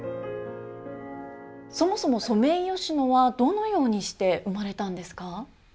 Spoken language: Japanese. そもそもソメイヨシノはどのようにして生まれたんですか？